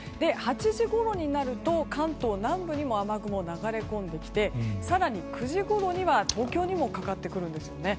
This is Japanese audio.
８時ごろになると関東南部にも雨雲が流れ込んできて更に９時ごろには東京にもかかってくるんですよね。